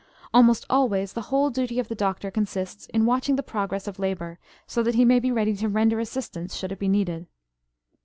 Almost always the whole duty of the doctor consists in watching the progress of labor, so that he may be ready to render assistance should it be needed.